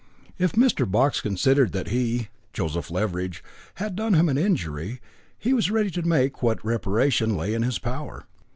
If Mr. Box considered that he, Joseph Leveridge, had done him an injury, he was ready to make what reparation lay in his power.